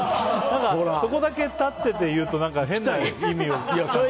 何かそこだけ立てて言うと変な意味を。